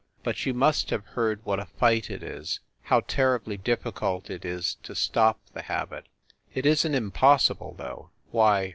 But you must have heard what a fight it is, how terribly difficult it is to stop the habit. It isn t impossible, though. Why!